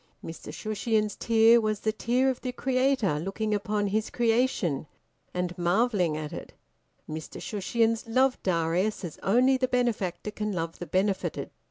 Mr Shushions's tear was the tear of the creator looking upon his creation and marvelling at it. Mr Shushions loved Darius as only the benefactor can love the benefited.